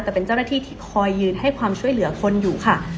แต่เป็นเจ้าหน้าที่ที่คอยยืนให้ความช่วยเหลือคนอยู่ค่ะ